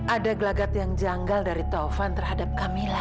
ada gelagat yang janggal dari taufan terhadap camilla